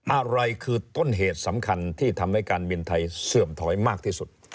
อะไรคือต้นเหตุสำคัญที่ทำให้การบินไทยเสื่อมถอยมากที่สุด